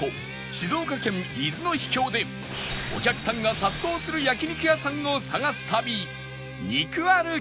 静岡県伊豆の秘境でお客さんが殺到する焼肉屋さんを探す旅肉歩き